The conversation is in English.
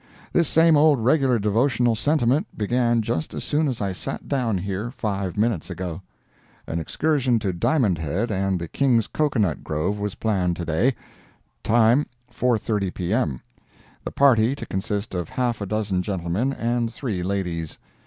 This same old regular devotional sentiment began just as soon as I sat down here five minutes ago. An excursion to Diamond Head and the King's Cocoanut Grove was planned to day—time, 4:30 P.M.—the party to consist of half a dozen gentlemen and three ladies.